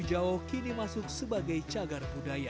masjid tuwakayujao kini masuk sebagai cagar budaya